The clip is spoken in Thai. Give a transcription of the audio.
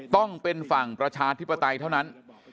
ต้องเป็นฝั่งประชาธิปไตยเท่านั้น